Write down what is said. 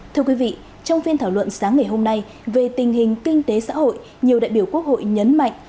thưa quý vị trong phiên thảo luận sáng ngày hôm nay về tình hình kinh tế xã hội nhiều đại biểu quốc hội nhấn mạnh